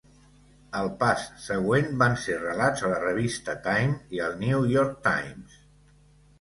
"El pas següent van ser relats a la revista "Time" i al "New York Times"".